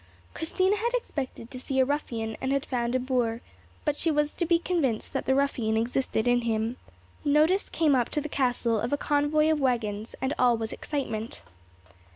Christina had expected to see a ruffian, and had found a boor; but she was to be convinced that the ruffian existed in him. Notice came up to the castle of a convoy of waggons, and all was excitement.